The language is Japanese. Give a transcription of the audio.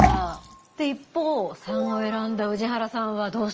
一方３を選んだ宇治原さんはどうしてですか？